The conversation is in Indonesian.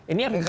ini harus di